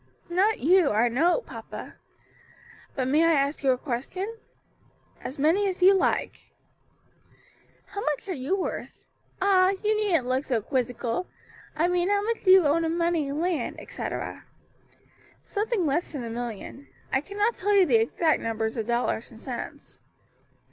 "Not you, I know, papa. But may I ask you a question?" "As many as you like." "How much are you worth? Ah! you needn't look so quizzical. I mean how much do you own in money, land, etc.?" "Something less than a million; I cannot tell you the exact number of dollars and cents."